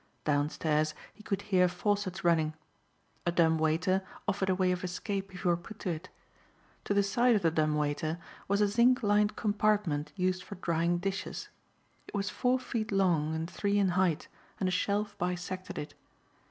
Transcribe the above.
Downstairs he could hear faucets running. A dumbwaiter offered a way of escape if he were put to it. To the side of the dumbwaiter was a zinc lined compartment used for drying dishes. It was four feet long and three in height and a shelf bisected it.